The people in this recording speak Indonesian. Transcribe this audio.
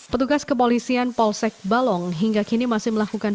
petugas kepolisian polsek balong hingga kini masih melakukan